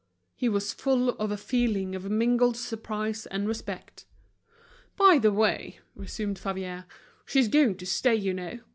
He was full of a feeling of mingled surprise and respect. "By the way," resumed Favier, "she's going to stay, you know.